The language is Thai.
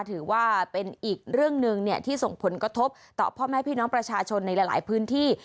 ถือว่าเป็นอีกเรื่องหนึ่งที่ส่งผลกระทบต่อพ่อแม่พี่น้องประชาชนในหลายพื้นที่